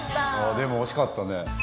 でも惜しかったね。